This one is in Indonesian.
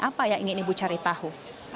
apa yang ingin ibu cari tahu